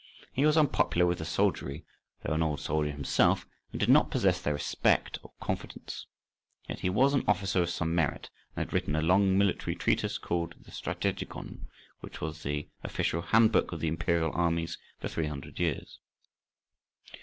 He was unpopular with the soldiery, though an old soldier himself, and did not possess their respect or confidence. Yet he was an officer of some merit and had written a long military treatise called the "Strategicon," which was the official handbook of the imperial armies for three hundred years.